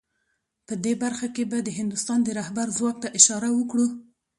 په دې برخه کې به د هندوستان د رهبر ځواک ته اشاره وکړو